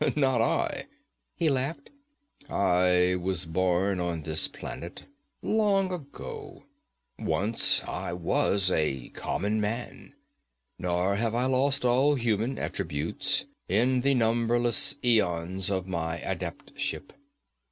'Not I!' he laughed. 'I was born on this planet, long ago. Once I was a common man, nor have I lost all human attributes in the numberless eons of my adeptship.